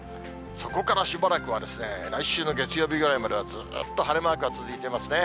そこからしばらくは来週の月曜日ぐらいまではずっと晴れマークが続いてますね。